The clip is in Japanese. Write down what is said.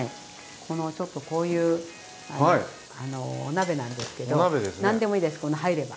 このこういうお鍋なんですけど何でもいいです入れば。